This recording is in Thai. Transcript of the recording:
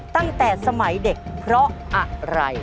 ตั้งแต่สมัยเด็กเพราะอะไร